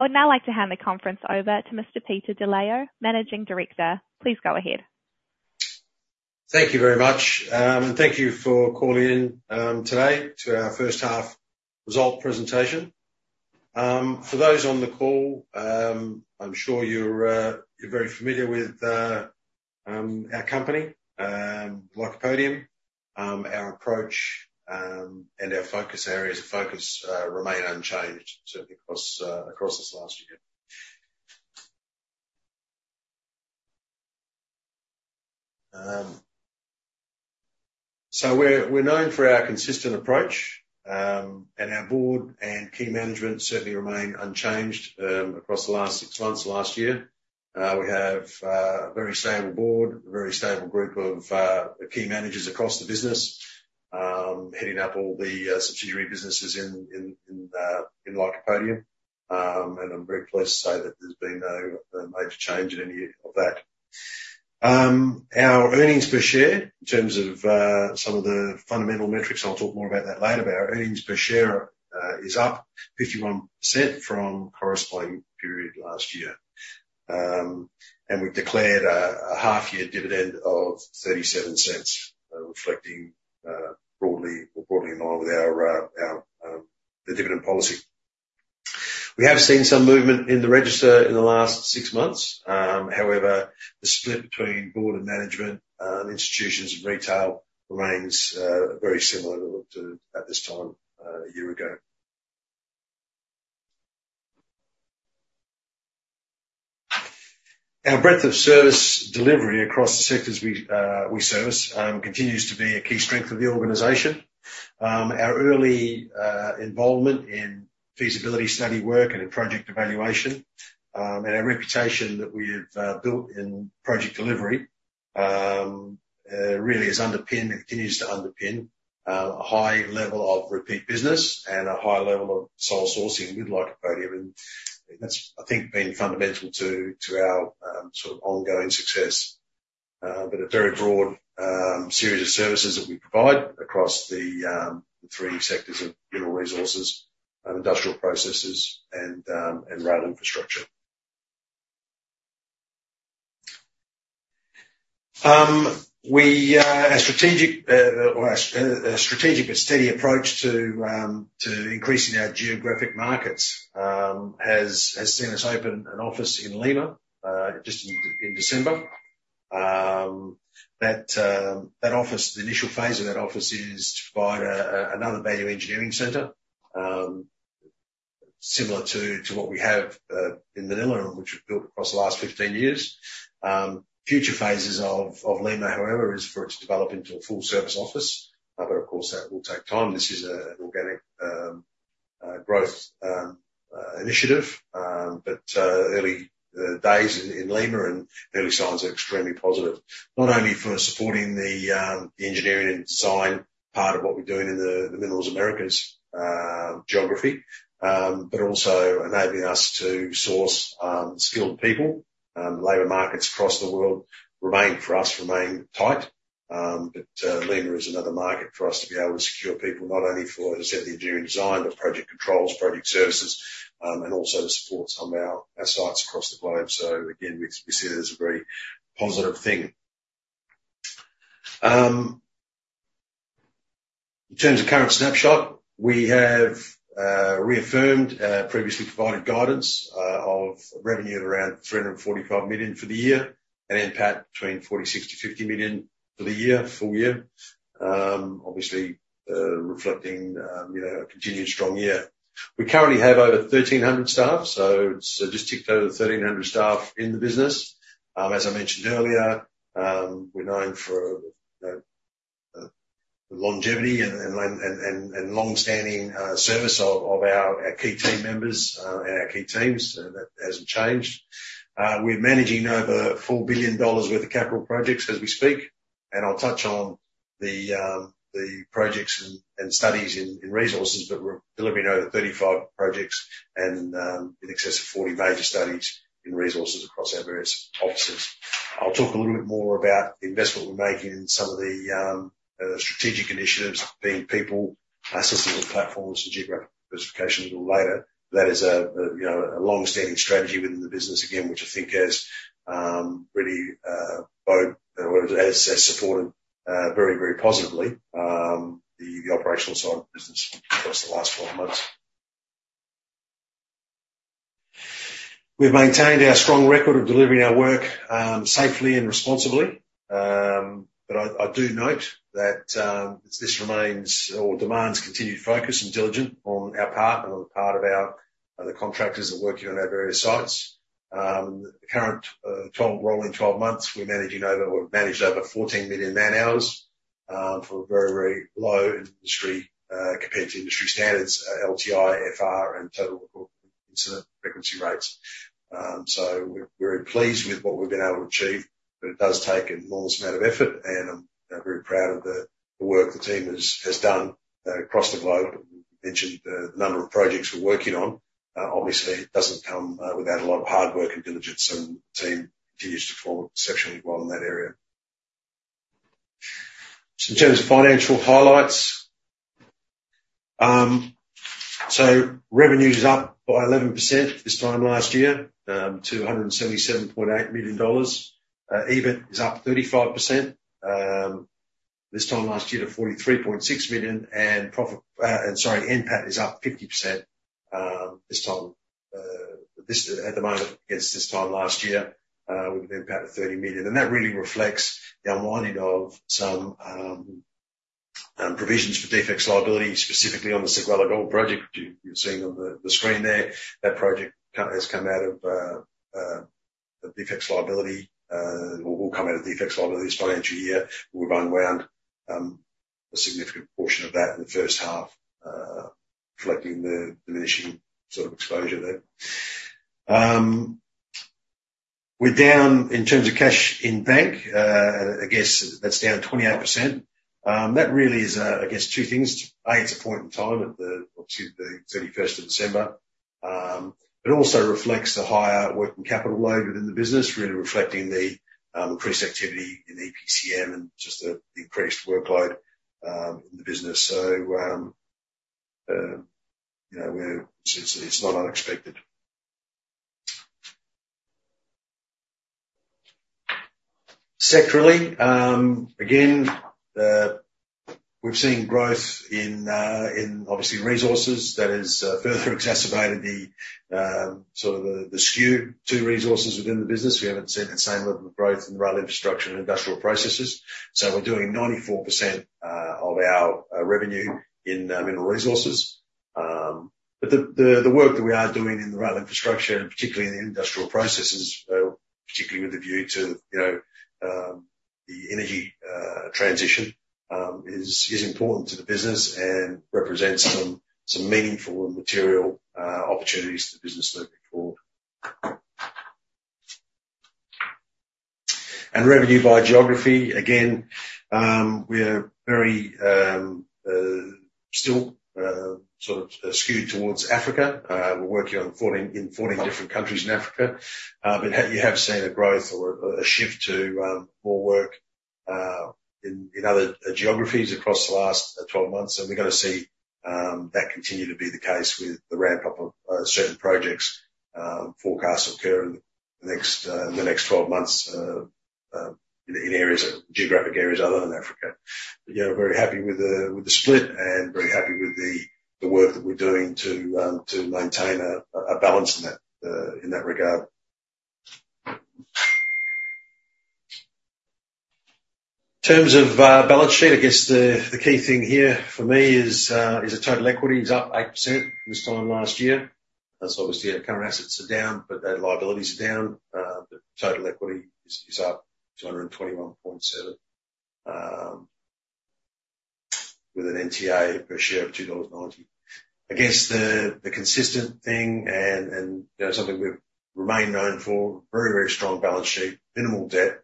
Would now like to hand the conference over to Mr. Peter De Leo, Managing Director. Please go ahead. Thank you very much, and thank you for calling in today to our first-half result presentation. For those on the call, I'm sure you're very familiar with our company, Lycopodium, our approach, and our focus areas. The focus remained unchanged across this last year. So we're known for our consistent approach, and our board and key management certainly remain unchanged across the last six months, last year. We have a very stable board, a very stable group of key managers across the business heading up all the subsidiary businesses in Lycopodium, and I'm very pleased to say that there's been no major change in any of that. Our earnings per share, in terms of some of the fundamental metrics, and I'll talk more about that later, but our earnings per share is up 51% from the corresponding period last year, and we've declared a half-year dividend of 0.37, reflecting broadly in line with the dividend policy. We have seen some movement in the register in the last six months. However, the split between board and management and institutions and retail remains very similar to at this time a year ago. Our breadth of service delivery across the sectors we service continues to be a key strength of the organization. Our early involvement in feasibility study work and in project evaluation, and our reputation that we have built in project delivery really has underpinned and continues to underpin a high level of repeat business and a high level of sole sourcing with Lycopodium. That's, I think, been fundamental to our sort of ongoing success. A very broad series of services that we provide across the three sectors of mineral resources, industrial processes, and rail infrastructure. Our strategic but steady approach to increasing our geographic markets has seen us open an office in Lima just in December. The initial phase of that office is to provide another value engineering center similar to what we have in Manila, which we've built across the last 15 years. Future phases of Lima, however, is for it to develop into a full-service office, but of course, that will take time. This is an organic growth initiative, but early days in Lima and early signs are extremely positive, not only for supporting the engineering and design part of what we're doing in the Minerals Americas geography, but also enabling us to source skilled people. Labor markets across the world remain, for us, tight, but Lima is another market for us to be able to secure people not only for, as I said, the engineering design but project controls, project services, and also to support some of our sites across the globe. So again, we see that as a very positive thing. In terms of current snapshot, we have reaffirmed previously provided guidance of revenue of around 345 million for the year and NPAT between 46 million-50 million for the year, full year, obviously reflecting a continued strong year. We currently have over 1,300 staff, so it's just ticked over the 1,300 staff in the business. As I mentioned earlier, we're known for the longevity and longstanding service of our key team members and our key teams, and that hasn't changed. We're managing over 4 billion dollars worth of capital projects as we speak, and I'll touch on the projects and studies in resources, but we're delivering over 35 projects and in excess of 40 major studies in resources across our various offices. I'll talk a little bit more about the investment we're making in some of the strategic initiatives, being people, assistance with platforms, and geographic diversification a little later. That is a longstanding strategy within the business, again, which I think has really bode or has supported very, very positively the operational side of the business across the last 12 months. We've maintained our strong record of delivering our work safely and responsibly, but I do note that this remains or demands continued focus and diligence on our part and on the part of the contractors that work here on our various sites. The current rolling 12 months, we've managed over 14 million man-hours for very, very low industry-compared-to-industry standards, LTIFR, and total incident frequency rates. So we're very pleased with what we've been able to achieve, but it does take an enormous amount of effort, and I'm very proud of the work the team has done across the globe. We mentioned the number of projects we're working on. Obviously, it doesn't come without a lot of hard work and diligence, and the team continues to perform exceptionally well in that area. So in terms of financial highlights, so revenue is up by 11% this time last year to 177.8 million dollars. EBIT is up 35% this time last year to 43.6 million, and profit and sorry, NPAT is up 50% this time at the moment against this time last year with an NPAT of 30 million. That really reflects the unwinding of some provisions for defects liability, specifically on the Séguéla gold project, which you're seeing on the screen there. That project has come out of a defects liability or will come out of defects liability this financial year. We've unwound a significant portion of that in the first half, reflecting the diminishing sort of exposure there. We're down in terms of cash in bank. I guess that's down 28%. That really is, I guess, two things. A, it's a point in time at the obviously, the 31st of December, but also reflects the higher working capital load within the business, really reflecting the increased activity in EPCM and just the increased workload in the business. So it's not unexpected. Sectorally, again, we've seen growth in, obviously, resources that has further exacerbated sort of the skew to resources within the business. We haven't seen the same level of growth in the rail infrastructure and industrial processes. So we're doing 94% of our revenue in mineral resources. But the work that we are doing in the rail infrastructure and particularly in the industrial processes, particularly with a view to the energy transition, is important to the business and represents some meaningful and material opportunities to the business moving forward. And revenue by geography, again, we are still sort of skewed towards Africa. We're working in 14 different countries in Africa, but you have seen a growth or a shift to more work in other geographies across the last 12 months, and we're going to see that continue to be the case with the ramp-up of certain projects forecast to occur in the next 12 months in geographic areas other than Africa. But yeah, we're very happy with the split and very happy with the work that we're doing to maintain a balance in that regard. In terms of balance sheet, I guess the key thing here for me is the total equity is up 8% this time last year. That's obviously how current assets are down, but liabilities are down. The total equity is up 221.7 million with an NTA per share of 2.90 dollars. Again, it's the consistent thing and something we've remained known for: very, very strong balance sheet, minimal debt.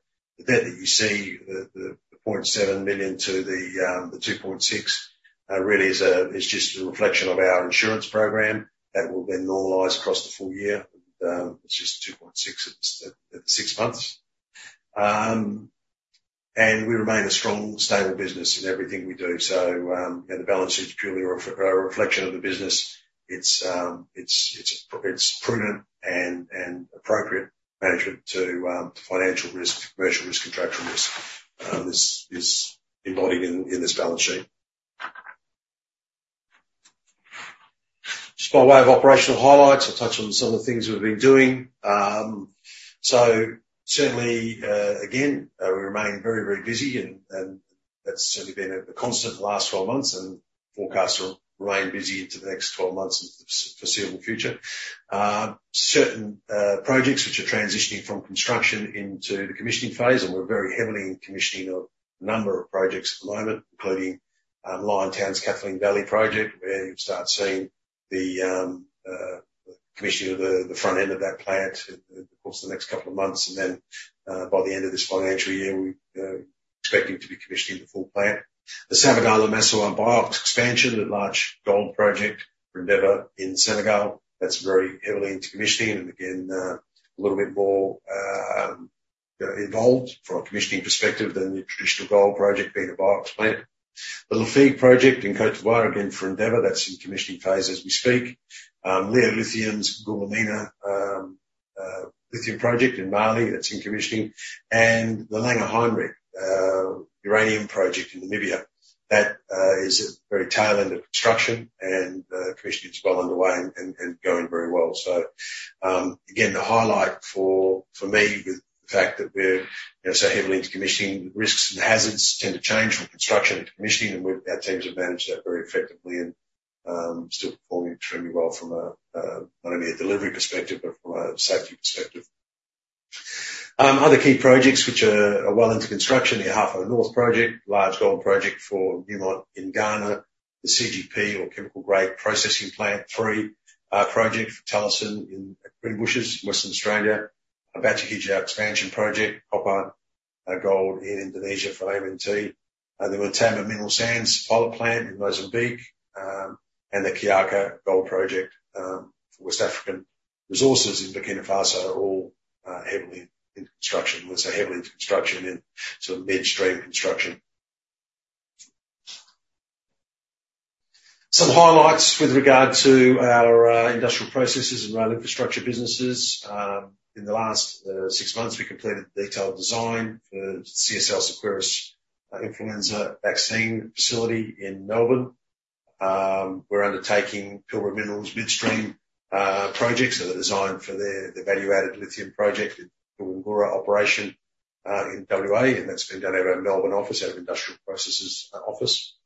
The debt that you see, the 0.7 million-2.6 million, really is just a reflection of our insurance program that will then normalize across the full year. It's just 2.6 million at the six months. And we remain a strong, stable business in everything we do. So the balance sheet's purely a reflection of the business. It's prudent and appropriate management to financial risk, commercial risk, contractual risk, is embodied in this balance sheet. Just by way of operational highlights, I'll touch on some of the things we've been doing. So certainly, again, we remain very, very busy, and that's certainly been a constant the last 12 months, and forecasts remain busy into the next 12 months and foreseeable future. Certain projects which are transitioning from construction into the commissioning phase, and we're very heavily in commissioning a number of projects at the moment, including Liontown's Kathleen Valley project, where you'll start seeing the commissioning of the front end of that plant across the next couple of months. And then by the end of this financial year, we're expecting to be commissioning the full plant. The Sabodala-Massawa BIOX expansion, the large gold project, Endeavour in Senegal, that's very heavily into commissioning and again a little bit more involved from a commissioning perspective than the traditional gold project being a BIOX plant. The Lafigué project in Côte d'Ivoire, again Endeavour, that's in commissioning phase as we speak. Leo Lithium's Goulamina lithium project in Mali, that's in commissioning. And the Langer Heinrich uranium project in Namibia, that is at the very tail end of construction and commissioning is well underway and going very well. So again, the highlight for me with the fact that we're so heavily into commissioning, the risks and hazards tend to change from construction into commissioning, and our teams have managed that very effectively and still performing extremely well from not only a delivery perspective but from a safety perspective. Other key projects which are well into construction: the Ahafo North project, large gold project for Newmont in Ghana. The CGP or chemical-grade processing plant 3 project for Talison in Greenbushes, Western Australia. Batu Hijau expansion project, copper gold in Indonesia for AMNT. The Mutamba Mineral Sands pilot plant in Mozambique and the Kiaka gold project for West African Resources in Burkina Faso are all heavily into construction. We're so heavily into construction and sort of midstream construction. Some highlights with regard to our industrial processes and rail infrastructure businesses. In the last six months, we completed the detailed design for CSL Seqirus's influenza vaccine facility in Melbourne. We're undertaking Pilbara Minerals' midstream projects, so the design for their value-added lithium project in Pilgangoora operation in WA, and that's been done over at Melbourne office out of the industrial processes office.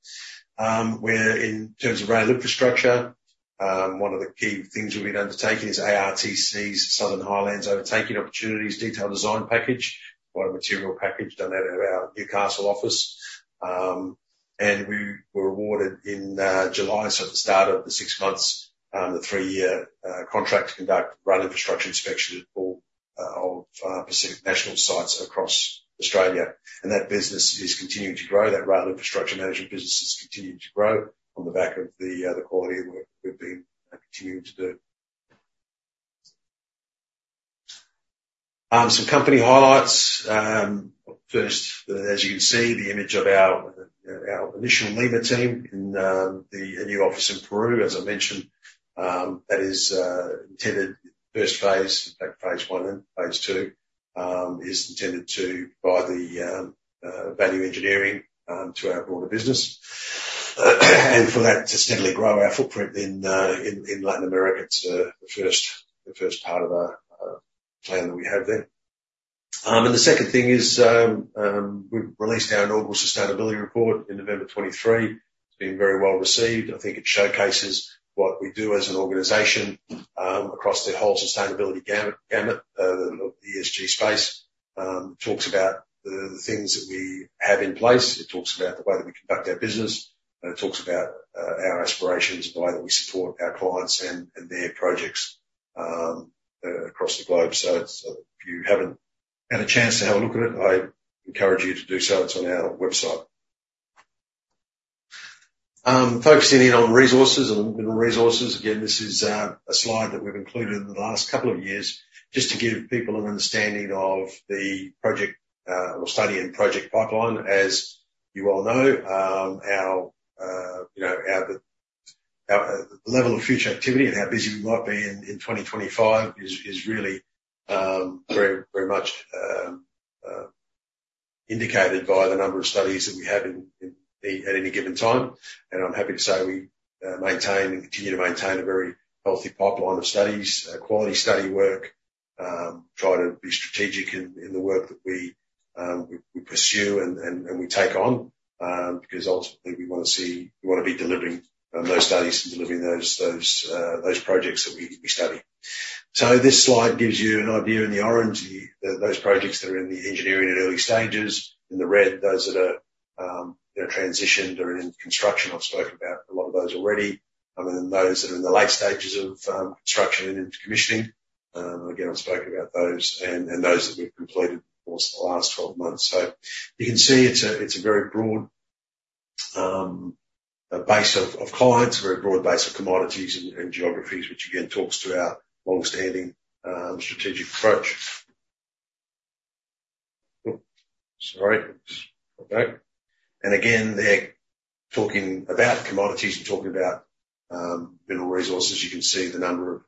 Where in terms of rail infrastructure, one of the key things we've been undertaking is ARTC's Southern Highlands Overtaking Opportunities detailed design package, quite a material package done out of our Newcastle office. We were awarded in July, so at the start of the six months, the three-year contract to conduct rail infrastructure inspection at all of Pacific National sites across Australia. That business is continuing to grow. That rail infrastructure management business is continuing to grow on the back of the quality of the work we've been continuing to do. Some company highlights. First, as you can see, the image of our initial Lima team in the new office in Peru, as I mentioned, that is intended in the first phase, in fact, Phase 1 and Phase 2, is intended to provide the value engineering to our broader business and for that to steadily grow our footprint in Latin America. It's the first part of our plan that we have there. The second thing is we've released our inaugural sustainability report in November 2023. It's been very well received. I think it showcases what we do as an organization across the whole sustainability gamut of the ESG space. It talks about the things that we have in place. It talks about the way that we conduct our business. It talks about our aspirations and the way that we support our clients and their projects across the globe. So if you haven't had a chance to have a look at it, I encourage you to do so. It's on our website. Focusing in on resources and mineral resources, again, this is a slide that we've included in the last couple of years just to give people an understanding of the project or study and project pipeline. As you well know, the level of future activity and how busy we might be in 2025 is really very, very much indicated by the number of studies that we have at any given time. I'm happy to say we maintain and continue to maintain a very healthy pipeline of studies, quality study work, try to be strategic in the work that we pursue and we take on because ultimately, we want to see we want to be delivering those studies and delivering those projects that we study. So this slide gives you an idea, in the orangey, those projects that are in the engineering and early stages. In the red, those that are transitioned or in construction. I've spoken about a lot of those already. Then those that are in the late stages of construction and into commissioning. And again, I've spoken about those and those that we've completed across the last 12 months. So you can see it's a very broad base of clients, a very broad base of commodities and geographies, which again talks to our longstanding strategic approach. Oops. Sorry. Let's go back. Again, they're talking about commodities and talking about mineral resources. You can see the number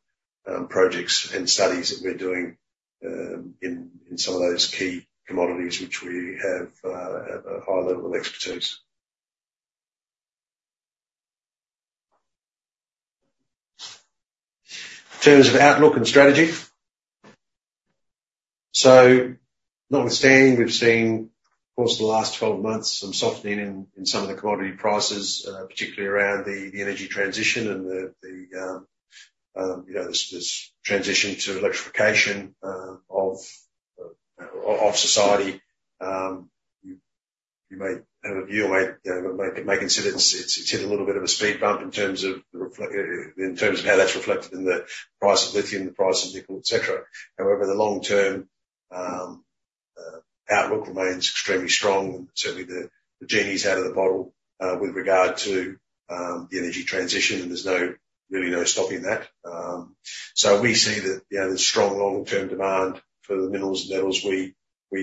of projects and studies that we're doing in some of those key commodities which we have a high level of expertise. In terms of outlook and strategy, notwithstanding, we've seen, across the last 12 months, some softening in some of the commodity prices, particularly around the energy transition and this transition to electrification of society. You may have a view or may consider it's hit a little bit of a speed bump in terms of how that's reflected in the price of lithium, the price of nickel, etc. However, the long-term outlook remains extremely strong. Certainly, the genie's out of the bottle with regard to the energy transition, and there's really no stopping that. We see that there's strong long-term demand for the minerals and metals we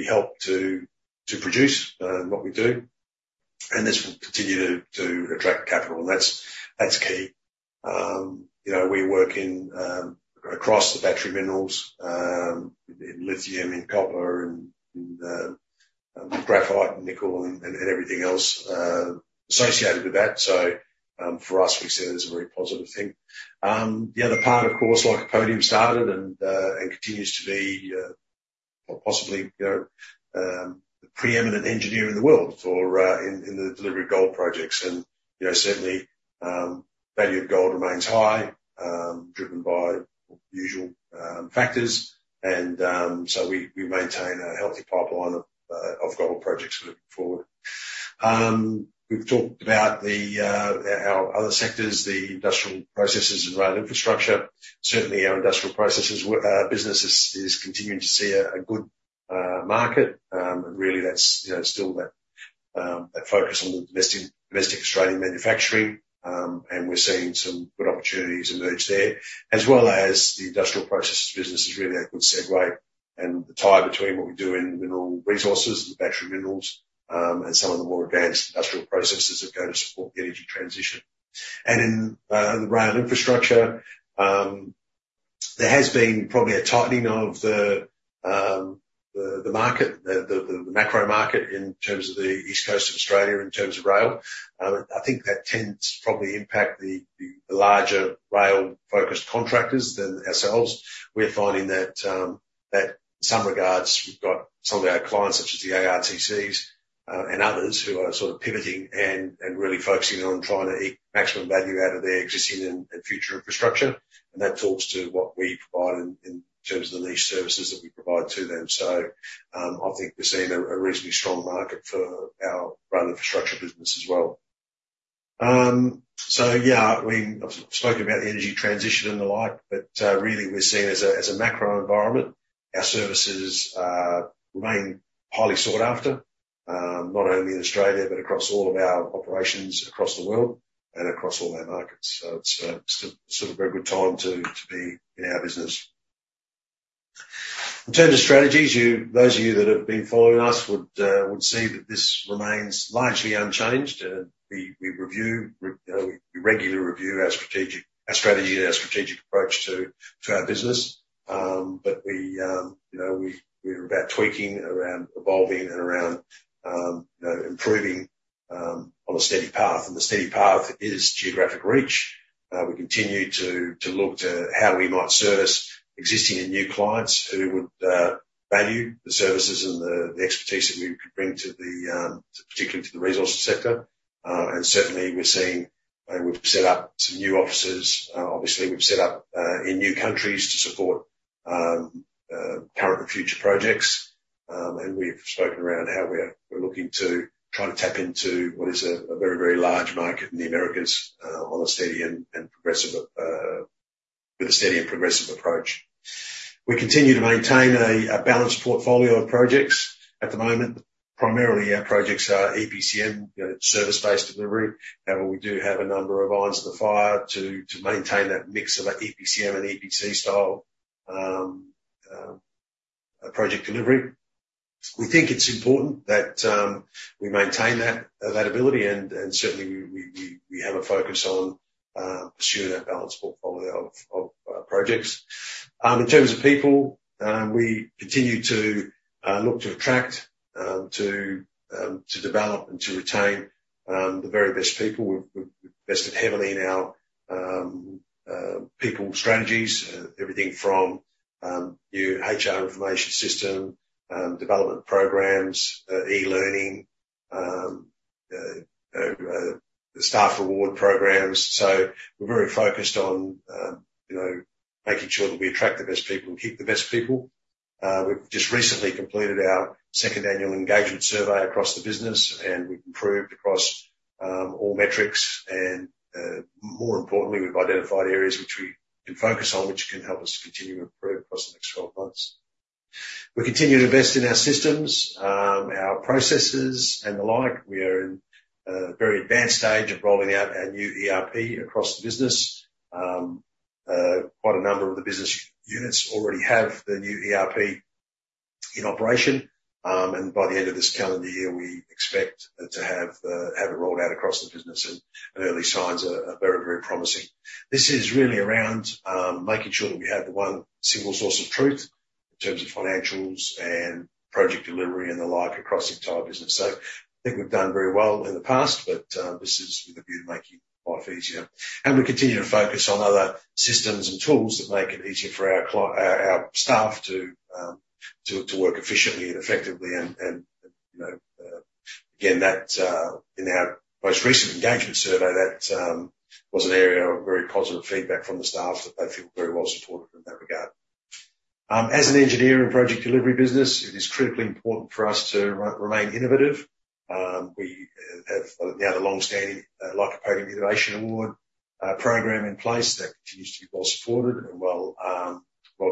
help to produce and what we do. This will continue to attract capital, and that's key. We work across the battery minerals in lithium, in copper, in graphite, nickel, and everything else associated with that. So for us, we see that as a very positive thing. The other part, of course, Lycopodium started and continues to be possibly the preeminent engineer in the world in the delivery of gold projects. Certainly, value of gold remains high, driven by usual factors. So we maintain a healthy pipeline of gold projects moving forward. We've talked about our other sectors, the industrial processes and rail infrastructure. Certainly, our industrial processes business is continuing to see a good market. Really, that's still that focus on the domestic Australian manufacturing. We're seeing some good opportunities emerge there, as well as the industrial processes business is really a good segue and the tie between what we do in mineral resources and battery minerals and some of the more advanced industrial processes that go to support the energy transition. In the rail infrastructure, there has been probably a tightening of the market, the macro market in terms of the east coast of Australia in terms of rail. I think that tends to probably impact the larger rail-focused contractors than ourselves. We're finding that in some regards, we've got some of our clients such as the ARTCs and others who are sort of pivoting and really focusing on trying to eke maximum value out of their existing and future infrastructure. And that talks to what we provide in terms of the niche services that we provide to them. So I think we're seeing a reasonably strong market for our rail infrastructure business as well. So yeah, I've spoken about the energy transition and the like, but really, we're seen as a macro environment. Our services remain highly sought after, not only in Australia but across all of our operations across the world and across all our markets. So it's still a very good time to be in our business. In terms of strategies, those of you that have been following us would see that this remains largely unchanged. We regularly review our strategy and our strategic approach to our business, but we're about tweaking around, evolving, and improving on a steady path. The steady path is geographic reach. We continue to look to how we might service existing and new clients who would value the services and the expertise that we could bring particularly to the resources sector. Certainly, we've set up some new offices. Obviously, we've set up in new countries to support current and future projects. And we've spoken around how we're looking to try to tap into what is a very, very large market in the Americas with a steady and progressive approach. We continue to maintain a balanced portfolio of projects at the moment. Primarily, our projects are EPCM, service-based delivery. However, we do have a number of irons in the fire to maintain that mix of EPCM and EPC-style project delivery. We think it's important that we maintain that availability, and certainly, we have a focus on pursuing that balanced portfolio of projects. In terms of people, we continue to look to attract, to develop, and to retain the very best people. We've invested heavily in our people strategies, everything from new HR information system, development programs, e-learning, staff reward programs. So we're very focused on making sure that we attract the best people and keep the best people. We've just recently completed our second annual engagement survey across the business, and we've improved across all metrics. And more importantly, we've identified areas which we can focus on which can help us to continue to improve across the next 12 months. We continue to invest in our systems, our processes, and the like. We are in a very advanced stage of rolling out our new ERP across the business. Quite a number of the business units already have the new ERP in operation. And by the end of this calendar year, we expect to have it rolled out across the business, and early signs are very, very promising. This is really around making sure that we have the one single source of truth in terms of financials and project delivery and the like across the entire business. So I think we've done very well in the past, but this is with a view to making life easier. We continue to focus on other systems and tools that make it easier for our staff to work efficiently and effectively. And again, in our most recent engagement survey, that was an area of very positive feedback from the staff that they feel very well supported in that regard. As an engineer in project delivery business, it is critically important for us to remain innovative. We have now the longstanding Lycopodium Innovation Award program in place that continues to be well supported and well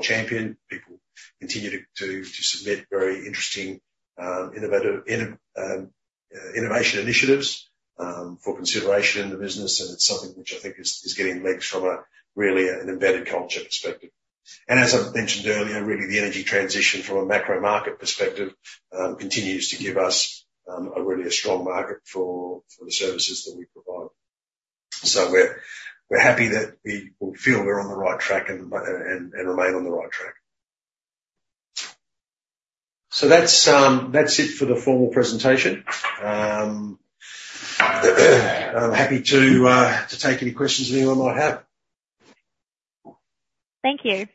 championed. People continue to submit very interesting innovation initiatives for consideration in the business, and it's something which I think is getting legs from really an embedded culture perspective. As I've mentioned earlier, really, the energy transition from a macro market perspective continues to give us really a strong market for the services that we provide. We're happy that we feel we're on the right track and remain on the right track. That's it for the formal presentation. I'm happy to take any questions anyone might have. Thank you.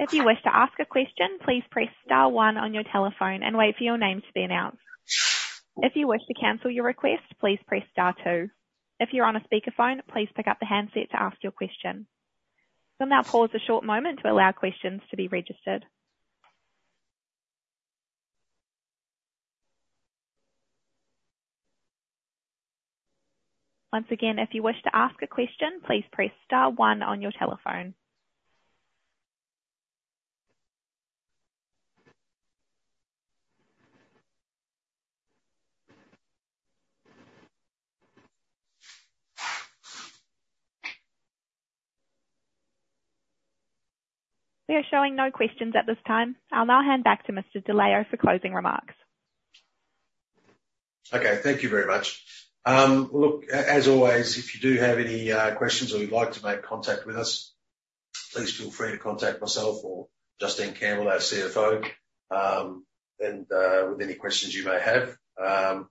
If you wish to ask a question, please press star one on your telephone and wait for your name to be announced. If you wish to cancel your request, please press star two. If you're on a speakerphone, please pick up the handset to ask your question. We'll now pause a short moment to allow questions to be registered. Once again, if you wish to ask a question, please press star one on your telephone. We are showing no questions at this time. I'll now hand back to Mr. De Leo for closing remarks. Okay. Thank you very much. Look, as always, if you do have any questions or you'd like to make contact with us, please feel free to contact myself or Justine Campbell, our CFO, with any questions you may have. I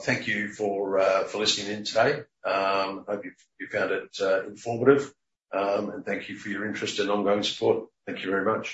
thank you for listening in today. I hope you found it informative, and thank you for your interest and ongoing support. Thank you very much.